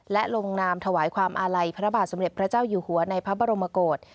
และลงนามถวายความอาลัยพระบาทสมเด็จพระเจ้าอยู่หัวในพระบรมกฏ